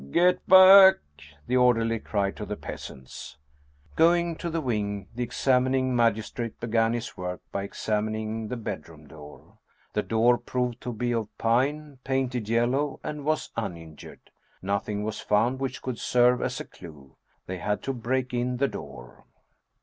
" Get back !" the orderly cried to the peasants. Going to the wing, the examining magistrate began his 1 ' work by examining the bedroom door. The door proved to be of pine, painted yellow, and was uninjured. Nothing was found which could serve as a clew. They had to break in the door.